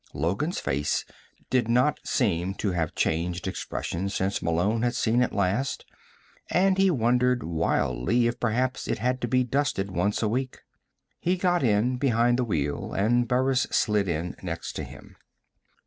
Logan's face did not seem to have changed expression since Malone had seen it last, and he wondered wildly if perhaps it had to be dusted once a week. He got in behind the wheel and Burris slid in next to him.